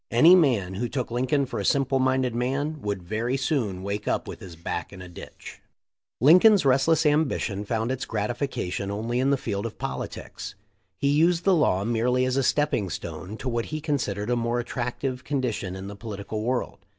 Any man who took Lincoln for a simple minded man would very soon wake up with his back in a ditch." * Leonard Swett. THE LIFE OF LINCOLN. 335 Lincoln's restless ambition found its gratification only in the field of politics. He used the law merely as a stepping stone to what he considered a more attractive condition in the political world.